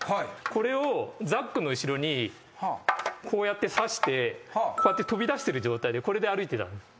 これをザックの後ろにこうやってさしてこうやって飛び出してる状態でこれで歩いてた。